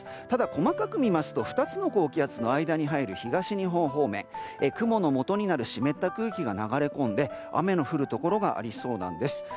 ただ、細かく見ますと２つの高気圧の間に入る東日本方面雲のもとになる湿った空気が流れ込んで雨の降るところがありそうなんです。